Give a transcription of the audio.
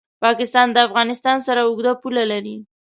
پاکستان د افغانستان سره اوږده پوله لري.